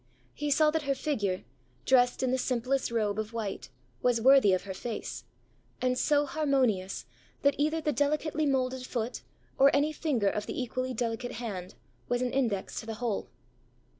He saw that her figure, dressed in the simplest robe of white, was worthy of her face; and so harmonious, that either the delicately moulded foot, or any finger of the equally delicate hand, was an index to the whole.